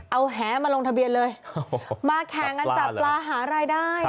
เอาแหมาลงทะเบียนเลยมาแข่งกันจับปลาหารายได้